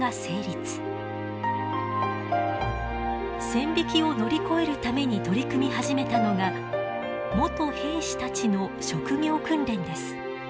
線引きを乗り越えるために取り組み始めたのが元兵士たちの職業訓練です。